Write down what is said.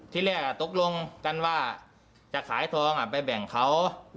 ที่แรกตกลงกันว่าจะขายทองไปแบ่งเขา